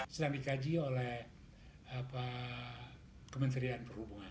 sedang dikaji oleh kementerian perhubungan